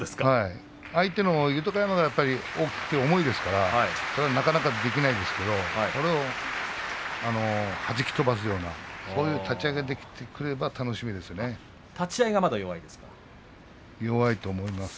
相手の豊山が大きくて重いですからなかなかできないですけれどこれをはじき飛ばすようなそういう立ち合いができてくれば立ち合いがまだ弱いですか。